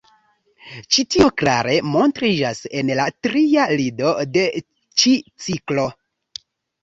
Ĉi tio klare montriĝas en la tria lido de ĉi ciklo.